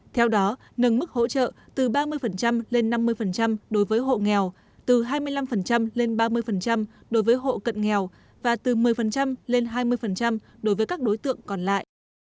theo đó nâng mức hỗ trợ từ ba mươi lên năm mươi đối với hộ nghèo từ hai mươi năm lên ba mươi đối với hộ cận nghèo và từ một mươi lên hai mươi đối với các đối tượng còn lại